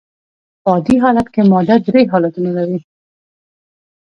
په عادي حالت کي ماده درې حالتونه لري.